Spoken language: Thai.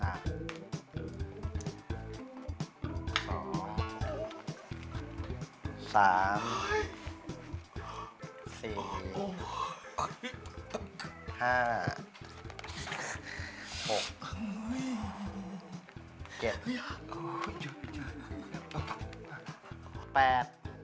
โอเค